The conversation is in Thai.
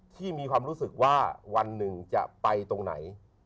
ที่มีความรู้สึกว่าวันหนึ่งจะไปตรงไหน